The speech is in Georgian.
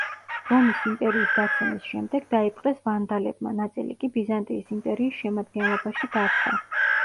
რომის იმპერიის დაცემის შემდეგ დაიპყრეს ვანდალებმა, ნაწილი კი ბიზანტიის იმპერიის შემადგენლობაში დარჩა.